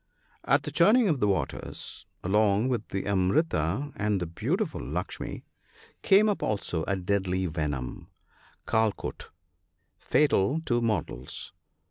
At the churning of the waters, along with the " amrita " and the beautiful Lukshmi, came up also a deadly venom (Kalkut), fatal to mortals.